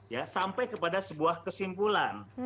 ya sampai kepada sebuah kesimpulan